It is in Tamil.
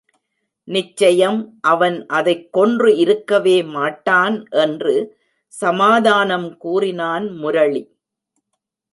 நிச்சயம் அவன் அதைக் கொன்று இருக்கவே மாட்டான் என்று சமாதானம் கூறினான் முரளி.